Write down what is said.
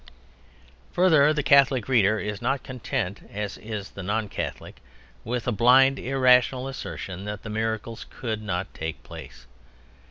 Further the Catholic reader is not content, as is the non Catholic, with a blind, irrational assertion that the miracles could not take place.